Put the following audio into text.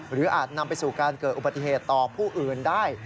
อาจนำไปสู่การเกิดอุบัติเหตุต่อผู้อื่นได้